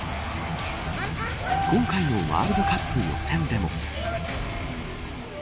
今回のワールドカップ予選でも。